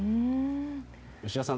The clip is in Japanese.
吉田さん